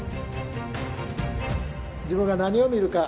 自分が何を見るか。